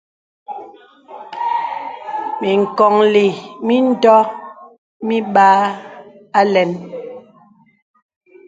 Mǐŋkɔnllī mǐndɔ mibāā alɛ̄n.